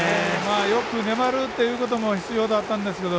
よく粘るということも必要だったんですけど